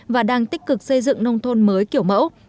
và đang tích cực xây dựng nông thôn mới kiểu mẫu